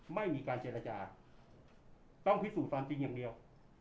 ไม่มีการเจรจาต้องพิสูจน์ความจริงอย่างเดียว